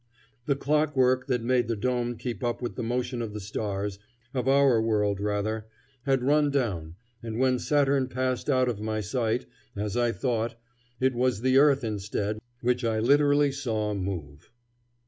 The clockwork that made the dome keep up with the motion of the stars of our world rather had run down, and when Saturn passed out of my sight, as I thought, it was the earth instead which I literally saw move.